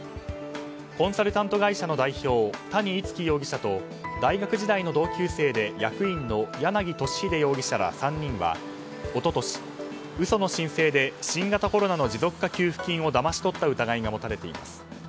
コンサルタント会社の代表谷逸輝容疑者と大学時代の同級生で役員の柳俊秀容疑者ら３人は一昨年、嘘の申請で新型コロナの持続化給付金をだまし取った疑いが持たれています。